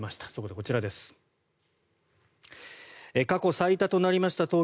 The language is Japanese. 過去最多となりました